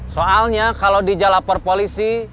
soalnya kalau dia lapor polisi